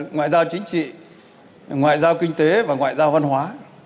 ngoại giao chính trị ngoại giao kinh tế và ngoại giao văn hóa